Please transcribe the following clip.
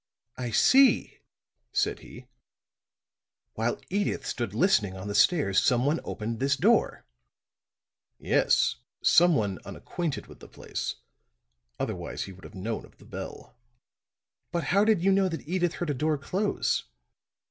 "I see," said he. "While Edyth stood listening on the stairs someone opened this door!" "Yes; someone unacquainted with the place. Otherwise he would have known of the bell." "But how did you know that Edyth heard a door close?"